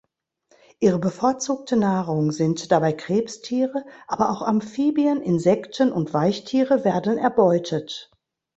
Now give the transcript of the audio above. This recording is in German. Ihre bevorzugte Nahrung sind dabei Krebstiere, aber auch Amphibien, Insekten und Weichtiere werden erbeutet.